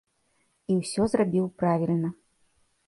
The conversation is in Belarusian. І ўсё зрабіў правільна.